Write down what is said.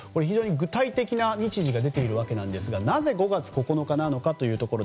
非常に具体的な日時が出ていますがなぜ５月９日なのか。